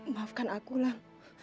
maafkan aku lam